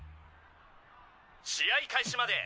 「試合開始まで」